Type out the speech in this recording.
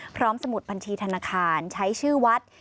สมุดบัญชีธนาคารใช้ชื่อวัด